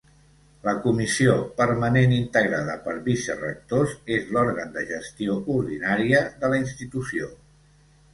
La Comissió Permanent, integrada per vicerectors, és l'òrgan de gestió ordinària de la institució.